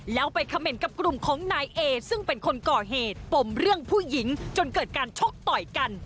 แล้วไปคำเมนต์กับกลุ่มของนายเอซึ่งเป็นคนก่อเหตุปมเรื่องผู้หญิงจนเกิดการชกต่อยกัน